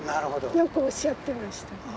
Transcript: よくおっしゃってましたね。